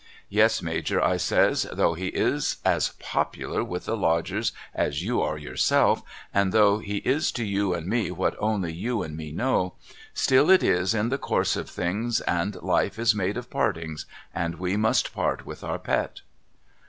'Yes Major' I says, 'though he is as popular with the Lodgers as you are yourself and though he is to you and me what only you and me know, still it is in the course of things and Life is made of partings and we must part with our Pet.'